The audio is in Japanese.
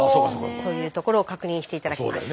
というところを確認して頂きます。